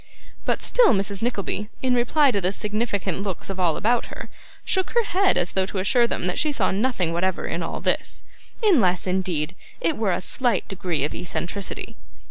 But still Mrs. Nickleby, in reply to the significant looks of all about her, shook her head as though to assure them that she saw nothing whatever in all this, unless, indeed, it were a slight degree of eccentricity.